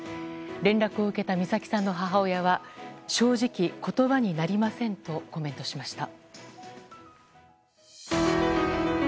連絡を受けた美咲さんの母親は正直言葉になりませんとコメントしました。